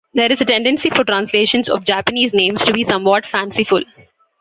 There is a tendency for translations of Japanese names to be somewhat fanciful.